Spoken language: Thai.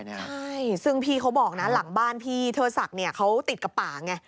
ใช่ซึ่งพี่เขาบอกนะหลังบ้านพี่เทิดศักดิ์เขาติดกับป่าไง